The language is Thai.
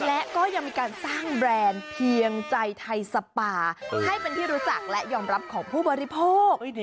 และก็ยังมีการสร้างแบรนด์เพียงใจไทยสปาให้เป็นที่รู้จักและยอมรับของผู้บริโภค